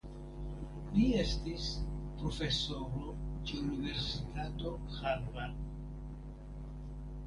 Li estis profesoro ĉe Universitato Harvard.